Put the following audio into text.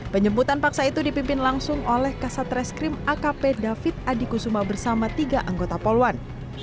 penjemputan paksa itu dipimpin langsung oleh kasat reskrim akp david adikusuma bersama tiga anggota poluan